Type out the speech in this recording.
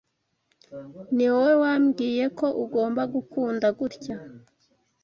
Niwowe wambwiye ko ugomba gukunda gutya